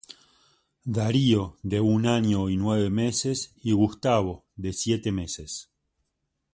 Darío, de un año y nueve meses y Gustavo, de siete meses.